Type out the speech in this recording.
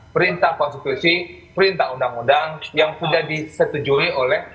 perintah konstitusi perintah undang undang yang sudah disetujui oleh